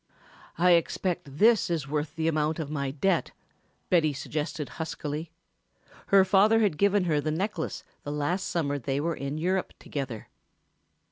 "I expect this is worth the amount of my debt," Betty suggested huskily. Her father had given her the necklace the last summer they were in Europe together.